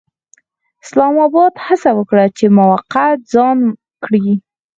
اسلام اباد هڅه وکړه چې موقعیت ځان کړي.